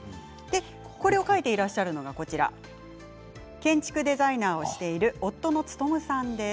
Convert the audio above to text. これを描いていらっしゃるのが建築デザイナーをしている夫の務さんです。